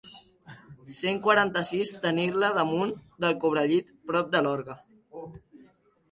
Cent quaranta-sis tenir-la damunt del cobrellit, prop de l'orgue.